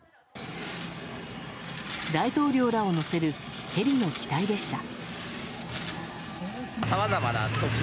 大統領らを乗せるヘリの機体でした。